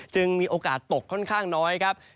มีโอกาสตกค่อนข้างน้อยครับ